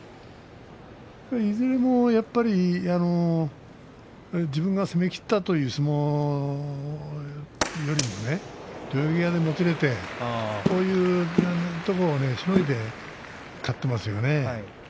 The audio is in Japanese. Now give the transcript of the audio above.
いずれも、やっぱり自分が攻めきったという相撲よりも土俵際でもつれてそういうところをしのいで勝ってますよね。